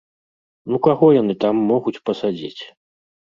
Ну каго яны там могуць пасадзіць?